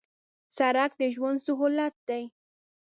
سړک د ژوند سهولت دی